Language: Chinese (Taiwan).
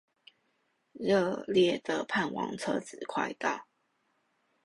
熱烈地盼望車子快到